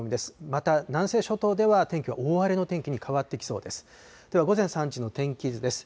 また南西諸島では天気は大荒れの天気に変わってきそうです。